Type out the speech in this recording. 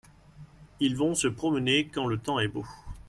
ils vont se promener quand le temps est beau.